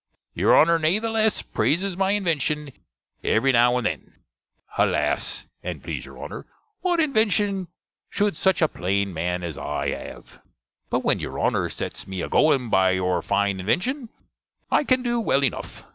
Your Honner nathaless praises my invenshon every now and then: Alas! and plese your Honner, what invenshon should such a plane man as I have? But when your Honner sets me agoing by your fine invenshon, I can do well enuff.